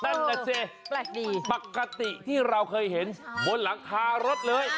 ตั้งแต่เศรษฐ์ปกติที่เราเคยเห็นบนหลังคารถเลย